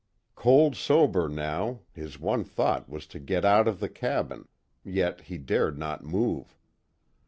Cold sober, now, his one thought was to get out of the cabin, yet he dared not move.